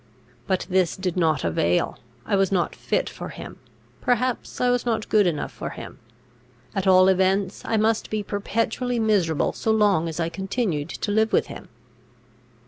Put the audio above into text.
But this did not avail: I was not fit for him; perhaps I was not good enough for him; at all events, I must be perpetually miserable so long as I continued to live with him.